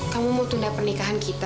kamu mau tunda pernikahan kita